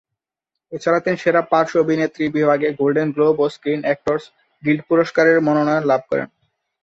এছাড়া তিনি সেরা পার্শ্ব অভিনেত্রী বিভাগে গোল্ডেন গ্লোব ও স্ক্রিন অ্যাক্টরস গিল্ড পুরস্কারের মনোনয়ন লাভ করেন।